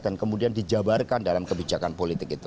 dan kemudian dijabarkan dalam kebijakan politik itu